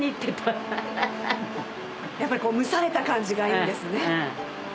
やっぱり蒸された感じがいいんですね。